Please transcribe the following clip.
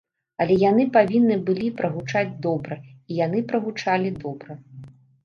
Але яны павінны былі прагучаць добра, і яны прагучалі добра.